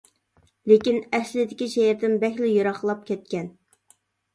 لېكىن ئەسلىدىكى شېئىردىن بەكلا يىراقلاپ كەتكەن.